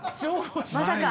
まさか。